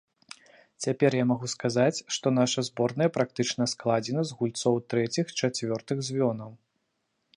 Цяпер я магу сказаць, што наша зборная практычна складзена з гульцоў трэціх-чацвёртых звёнаў.